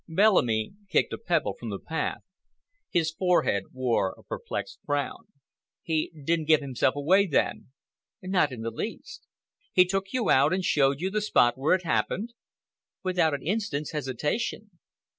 Bellamy kicked a pebble from the path. His forehead wore a perplexed frown. "He didn't give himself away, then?" "Not in the least." "He took you out and showed you the spot where it happened?" "Without an instant's hesitation."